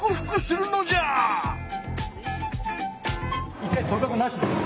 一回とびばこなしで。